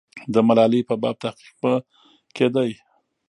د ملالۍ په باب تحقیق به کېده.